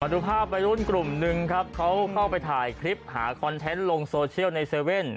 ดูภาพวัยรุ่นกลุ่มนึงครับเขาเข้าไปถ่ายคลิปหาคอนเทนต์ลงโซเชียลในเซเว่น